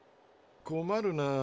困るなあ。